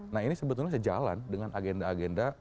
nah ini sebetulnya sejalan dengan agenda agenda